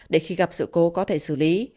để khi gặp sự cố có thể xử lý